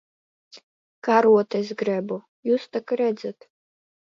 Karotes grebu. Jūs tak redzat.